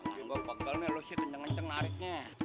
gak bakal melosih kenceng kenceng nariknya